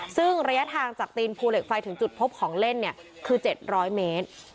ซึ่งระยะทางจากตีนภูเหล็กไฟถึงจุดพบของเล่นคือ๗๐๐เมตร